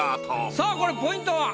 さあこれポイントは？